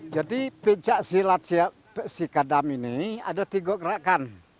jadi pencak silat si kadam ini ada tiga gerakan